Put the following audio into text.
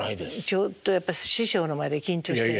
ちょっとやっぱり師匠の前で緊張してるから。